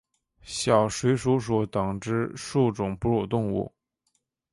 小水鼠属等之数种哺乳动物。